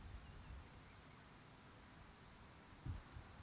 asal sekolah sma negeri tiga belas